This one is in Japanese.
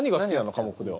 科目では。